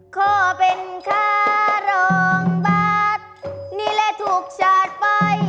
ขอเป็นข้ารองบาทนี่เลยถูกชาติไป